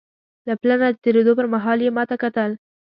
له پله نه د تېرېدو پر مهال یې ما ته کتل.